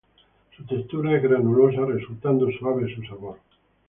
Su textura es granulosa, resultando suave su sabor.